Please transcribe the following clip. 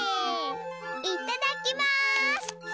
いただきます！